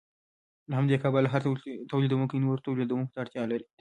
له همدې کبله هر تولیدونکی نورو تولیدونکو ته اړتیا لري